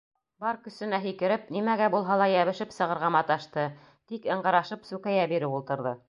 Бар көсөнә һикереп, нимәгә булһа ла йәбешеп сығырға маташты, тик ыңғырашып сүкәйә биреп ултырҙы.